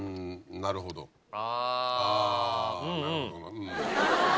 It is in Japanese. なるほどね。